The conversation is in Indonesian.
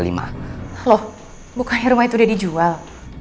loh bukannya rumah itu udah dijual